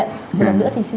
một lần nữa thì xin cảm ơn